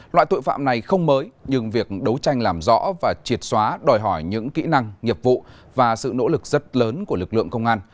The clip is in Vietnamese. loại tội phạm này không mới nhưng việc đấu tranh làm rõ và triệt xóa đòi hỏi những kỹ năng nghiệp vụ và sự nỗ lực rất lớn của lực lượng công an